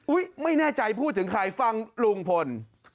ไม่แน่ใจพูดถึงใครฟังลุงพล